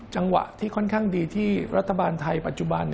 จังหวะที่ค่อนข้างดีที่รัฐบาลไทยปัจจุบัน